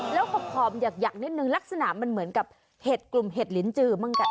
แล้วขอบหยักนิดนึงลักษณะมันเหมือนกับเห็ดกลุ่มเห็ดลิ้นจือเหมือนกัน